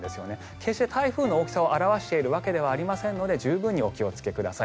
決して、台風の大きさを表しているわけではありませんので十分にお気をつけください。